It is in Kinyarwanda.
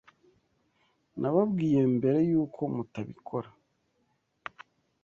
Nababwiye mbere yuko mutabikora.